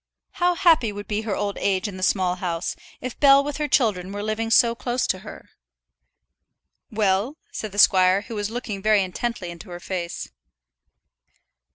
How happy would be her old age in that Small House, if Bell with her children were living so close to her! "Well?" said the squire, who was looking very intently into her face.